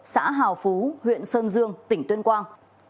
xã hào phú huyện sơn dương tỉnh tuyên quang